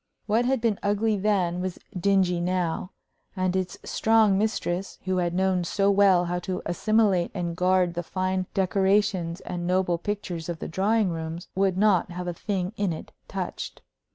What had been ugly then was dingy now; and its strong mistress, who had known so well how to assimilate and guard the fine decorations and noble pictures of the drawing rooms, would not have a thing in it touched.